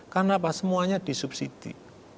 karena apa semuanya disubsidi